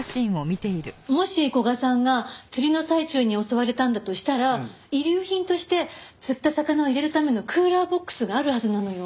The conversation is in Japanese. もし古賀さんが釣りの最中に襲われたんだとしたら遺留品として釣った魚を入れるためのクーラーボックスがあるはずなのよ。